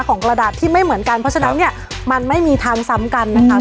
กระดาษที่ไม่เหมือนกันเพราะฉะนั้นเนี่ยมันไม่มีทางซ้ำกันนะคะ